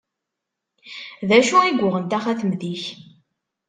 D acu i yuɣen taxatemt-ik?